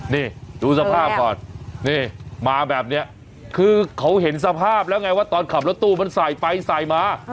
นี่ดูสภาพก่อนนี่มาแบบนี้คือเขาเห็นสภาพแล้วไงว่าตอนขับรถตู้มันสายไปสายมา